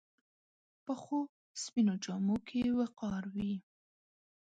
پخو سپینو جامو کې وقار وي